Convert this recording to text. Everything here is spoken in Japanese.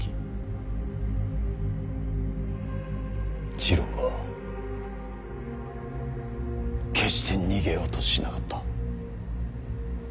次郎は決して逃げようとしなかった。